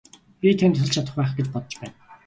Би танд тусалж чадах байх гэж бодож байна.